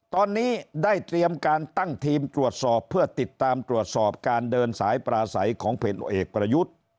ตอนนี้ได้เตรียมการตั้งทีมตรวจสอบเพื่อติดตามตรวจสอบการเดินสายปราศัยของผลเอกประยุทธ์